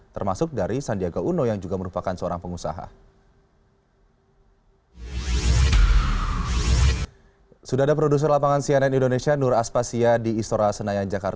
termasuk dari sandiaga uno yang juga merupakan seorang pengusaha